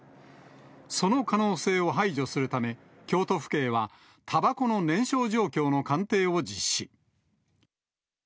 その可能性を排除するため、京都府警は、たばこの燃焼状況の鑑定を実施。